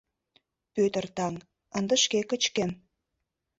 Пӧтыр таҥ, ынде шке кычкем...